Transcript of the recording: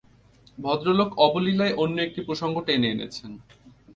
ভদ্রলোক অবলীলায় অন্য একটি প্রসঙ্গ টেনে এনেছেন।